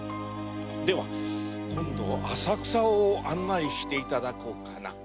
では今度浅草を案内していただこうかな。